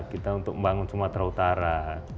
kita untuk membangun sumatera utara